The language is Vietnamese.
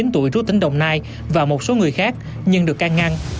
ba mươi chín tuổi trú tỉnh đồng nai và một số người khác nhưng được can ngăn